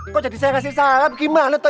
kok jadi saya kasih salam gimana tuh